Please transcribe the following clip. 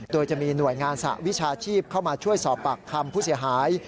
โดยจะมีหน่วยงานสหวิชาชีพเข้ามาช่วยสอบปากคำผู้เสียหาย